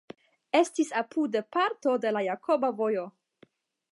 Estis apude parto de la Jakoba Vojo.